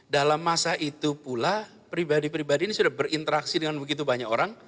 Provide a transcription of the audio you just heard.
dalam masa itu pula pribadi pribadi ini sudah berinteraksi dengan begitu banyak orang